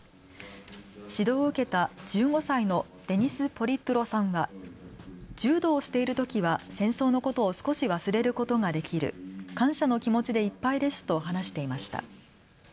指導を受けた１５歳のデニス・ポリトゥロさんは柔道をしているときは戦争のことを少し忘れることができる、感謝の気持ちでいっぱいですと話していました。